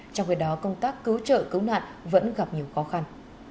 trong khi đó công tác cứu trợ cứu nạn vẫn gặp nhiều khó khăn